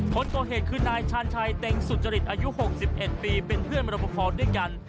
คนก่อเหตุคือนายชาญชัยเต็งสุจริตอายุ๖๑ปีเป็นเพื่อนมรบพอด้วยกัน